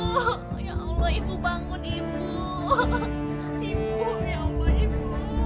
oh ya allah ibu bangun ibu timbul ya allah ibu